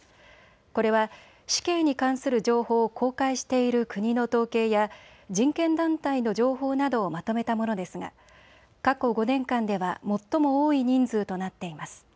これは死刑に関する情報を公開している国の統計や人権団体の情報などをまとめたものですが過去５年間では最も多い人数となっています。